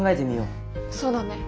そうだね。